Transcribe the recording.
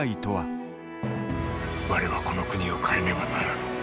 吾れはこの国を変えねばならぬ。